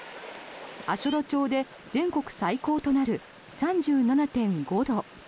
足寄町で全国最高となる３７．５度